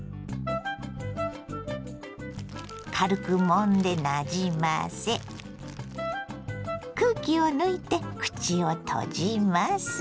軽くもんでなじませ空気を抜いて口を閉じます。